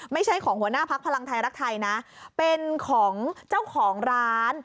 ไม่ใช่ของหัวหน้าพักพลังไทยรักไทยนะเป็นของเจ้าของร้าน